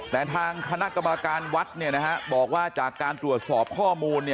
แต่ทางคณะกรรมการวัดบอกว่าจากการตรวจสอบข้อมูล